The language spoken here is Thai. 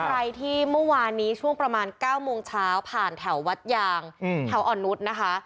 ใครที่เมื่อวานนี้ช่วงประมาณ๙โมงเช้าผ่านแถววัดยางแถวอ่อนนุษย์นะคะ